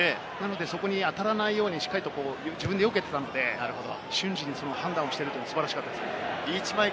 そこに当たらないように自分でよけていたので瞬時にその判断をしているのは素晴らしかったですね。